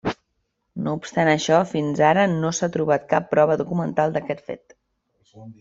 No obstant això, fins ara no s'ha trobat cap prova documental d'aquest fet.